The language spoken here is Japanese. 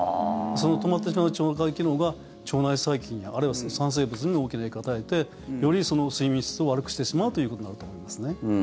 その止まってしまう腸内機能が腸内細菌や、あるいは産生物にも大きな影響を与えてより睡眠の質を悪くしてしまうということになると思いますね。